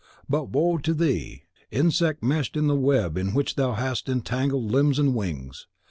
"But woe to thee! insect meshed in the web in which thou hast entangled limbs and wings!